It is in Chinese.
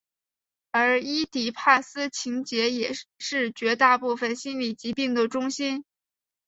而伊底帕斯情结也是绝大部分心理疾病的中心。